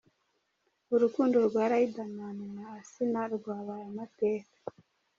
Urukundo rwa Riderman na Asinah rwabaye amateka.